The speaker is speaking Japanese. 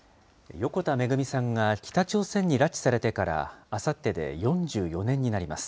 横田めぐみさんが北朝鮮に拉致されてから、あさってで４４年になります。